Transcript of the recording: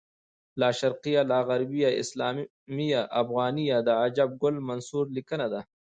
لاشرقیه لاغربیه اسلامیه افغانیه د عجب ګل منصور لیکنه ده